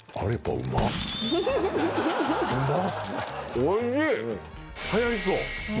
おいしい！